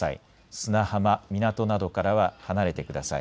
砂浜、港などからは離れてください。